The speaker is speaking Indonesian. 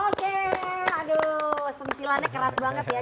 oke aduh sentilannya keras banget ya